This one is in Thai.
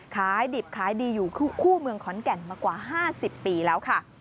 ขายดิบขายดีอยู่คู่เมืองขอนแก่นมากว่า๕๐ปีแล้วค่ะ